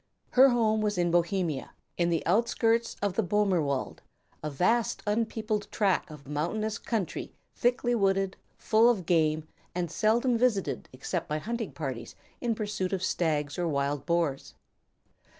Her home was in Bohemia, in the outskirts of the Boehmer wald, a vast, unpeopled tract of mountainous country thickly wooded, full of game, and seldom visited except by hunting parties in pursuit of stags or wild boars.